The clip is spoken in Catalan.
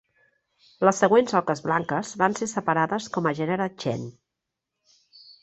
Les següents oques blanques van ser separades com gènere "Chen".